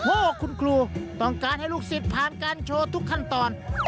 พ่อคุณครูต้องการให้ลูกศิษย์ผ่านการโชว์ทุกขั้นตอน